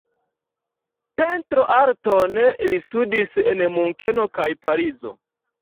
Pentroarton li studis en Munkeno kaj Parizo.